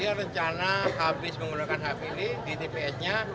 pak sihar rencana habis menggunakan hak pilih di tpsnya